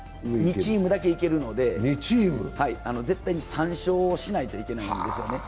２チームだけ行けるので、絶対に３勝しないといけないんですよね。